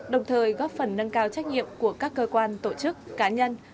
đồng thời góp phần nâng cao trách nhiệm của các cơ quan tổ chức cá nhân